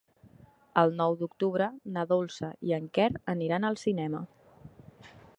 El nou d'octubre na Dolça i en Quer aniran al cinema.